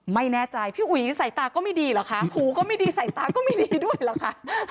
ไม่แน่ใจพี่อุ๋ยสายตาก็ไม่ดีเหรอคะหูก็ไม่ดีใส่ตาก็ไม่ดีด้วยเหรอคะ